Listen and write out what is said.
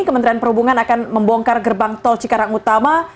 kementerian perhubungan akan membongkar gerbang tol cikarang utama